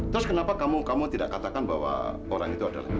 terus kenapa kamu tidak katakan bahwa orang itu adalah